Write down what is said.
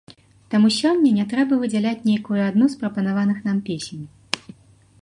Таму сёння не трэба выдзяляць нейкую адну з прапанаваных нам песень.